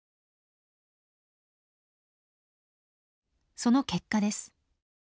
その結果です。